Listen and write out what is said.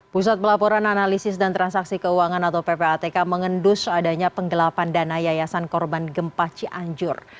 pusat pelaporan analisis dan transaksi keuangan atau ppatk mengendus adanya penggelapan dana yayasan korban gempa cianjur